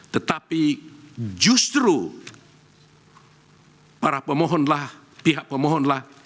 tetapi justru para pemohonlah pihak pemohonlah